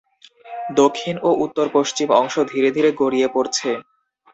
দক্ষিণ ও উত্তর-পশ্চিম অংশ ধীরে ধীরে গড়িয়ে পড়ছে।